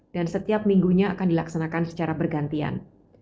dan setiap minggunya akan dilaksanakan secara bergantian